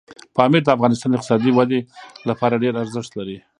پامیر د افغانستان د اقتصادي ودې لپاره ډېر ارزښت لري.